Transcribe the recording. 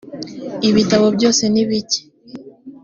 ibitabo byose nibike